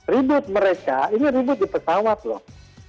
ribut mereka ini ribut di pesawat loh